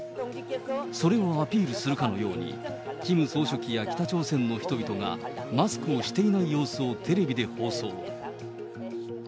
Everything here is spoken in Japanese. それをアピールするかのように、キム総書記や北朝鮮の人々が、マスクをしていない様子をテレビで放送。